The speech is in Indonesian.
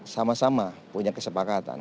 sama sama punya kesepakatan